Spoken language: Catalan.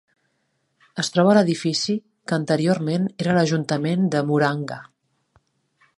Es troba a l"edifici que anteriorment era l"ajuntament de Murang'a.